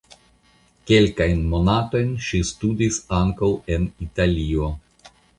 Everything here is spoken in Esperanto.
Kelkajn monatojn ŝi studis ankaŭ en Italio.